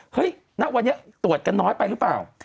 ณวันนี้ตรวจกันน้อยไปหรือเปล่า